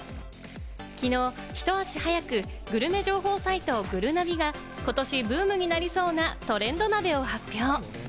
きのうひと足早く、グルメ情報サイト・ぐるなびが今年ブームになりそうなトレンド鍋を発表。